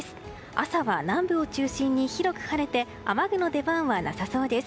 朝は南部を中心に広く晴れて雨具の出番はなさそうです。